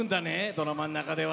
ドラマの中では。